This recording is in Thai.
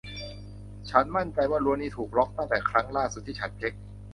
ฉันมั่นใจว่ารั้วนี้ถูกล็อคตั้งแต่ครั้งล่าสุดที่ฉันเช็ค